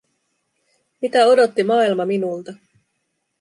Mitä odotti maailma minulta?